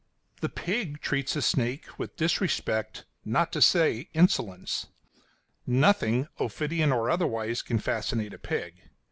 The pig treats the snake with disrespect, not to say insolence; nothing, ophidian or otherwise, can fascinate a pig.